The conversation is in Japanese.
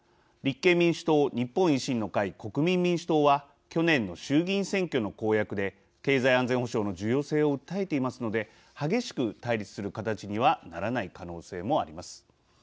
立憲民主党、日本維新の会国民民主党は去年の衆議院選挙の公約で経済安全保障の重要性を訴えていますので激しく対立する形にはならない可能性もあります。